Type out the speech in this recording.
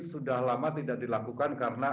sudah lama tidak dilakukan karena